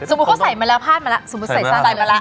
สมมุติเขาใส่มาแล้วพาดมาแล้วสมมุติใส่สั้นมาแล้ว